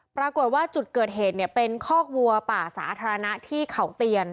ปรากฏว่าจุดเกิดเหตุเนี่ยเป็นคอกวัวป่าสาธารณะที่เขาเตียน